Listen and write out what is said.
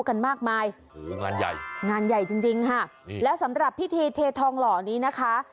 กันมากมายโอ้โหงานใหญ่งานใหญ่จริงจริงค่ะนี่แล้วสำหรับพิธีเททองหล่อนี้นะคะ